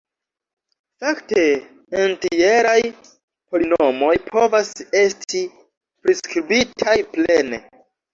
Fakte entjeraj polinomoj povas esti priskribitaj plene.